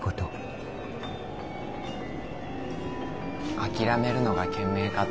諦めるのが賢明かと。